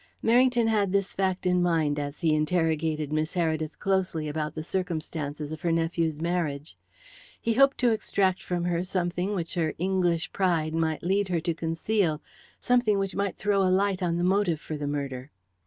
Merrington had this fact in his mind as he interrogated Miss Heredith closely about the circumstances of her nephew's marriage. He hoped to extract from her something which her English pride might lead her to conceal, something which might throw a light on the motive for the murder.